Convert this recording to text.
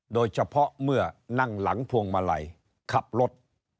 โดยเฉพาะเมื่อนั่งหลังพวงมาลัยขับรถ